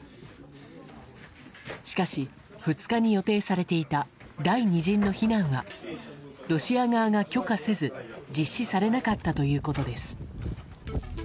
しかし、２日に予定されていた第２陣の避難はロシア側が許可せず実施されなかったということです。